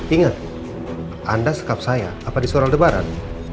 ingat anda sikap saya apa disuruh aldebaran